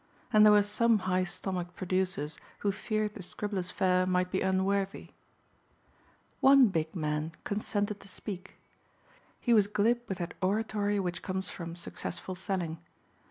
And there were some high stomached producers who feared the Scribblers' fare might be unworthy. One big man consented to speak. He was glib with that oratory which comes from successful selling.